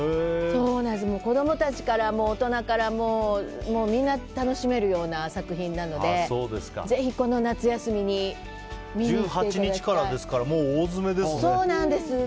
子供たちから大人からもうみんな楽しめるような作品なのでぜひ、この夏休みに１８日からだから大詰めですね。